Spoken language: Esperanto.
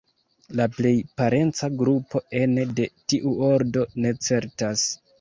La plej parenca grupo ene de tiu ordo, ne certas.